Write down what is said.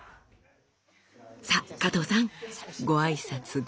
さあ加藤さんご挨拶ご挨拶。